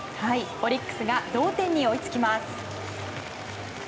オリックスが同点に追いつきます。